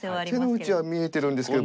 手の内は見えてるんですけど。